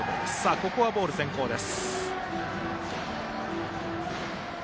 ここはボール先行です。